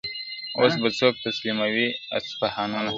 اوس به څوك تسليموي اصفهانونه!.